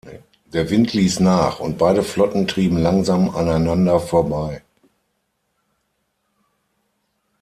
Der Wind ließ nach, und beide Flotten trieben langsam aneinander vorbei.